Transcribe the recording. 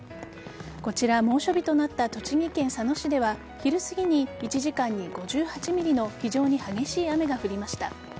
こちら、猛暑日となった栃木県佐野市では昼すぎに１時間に５８ｍｍの非常に激しい雨が降りました。